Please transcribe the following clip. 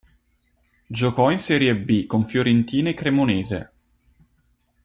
Giocò in Serie B con Fiorentina e Cremonese.